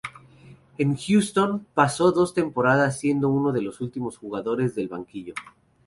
En Houston pasó dos temporadas siendo uno de los últimos jugadores del banquillo.